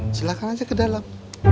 silahkan aja ke dalam